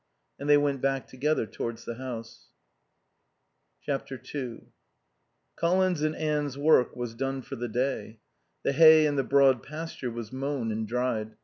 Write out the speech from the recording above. And they went back together towards the house. ii Colin's and Anne's work was done for the day. The hay in the Broad Pasture was mown and dried.